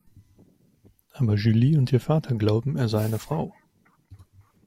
Aber Julie und ihr Vater glauben, er sei eine Frau.